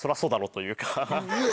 というか。